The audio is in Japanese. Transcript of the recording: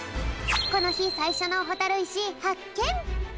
このひさいしょのほたるいしはっけん！